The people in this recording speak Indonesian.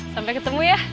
sampai ketemu ya